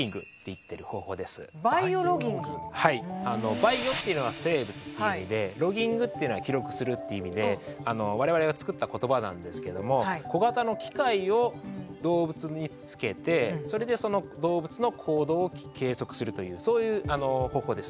バイオっていうのは生物っていう意味でロギングっていうのは記録するっていう意味で我々が作った言葉なんですけども小型の機械を動物につけてそれでその動物の行動を計測するというそういう方法です。